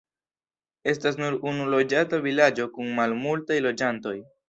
Estas nur unu loĝata vilaĝo kun malmultaj loĝantoj.